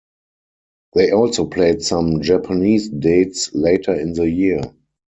They also played some Japanese dates later in the year.